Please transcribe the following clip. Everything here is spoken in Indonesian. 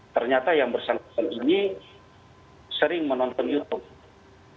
ternyata yang bersangkutan ini sering menonton youtube